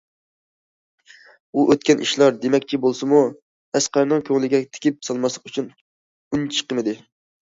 « ئۇ، ئۆتكەن ئىشلار» دېمەكچى بولسىمۇ، ئەسقەرنىڭ كۆڭلىگە تېگىپ سالماسلىق ئۈچۈن ئۈنچىقمىدى.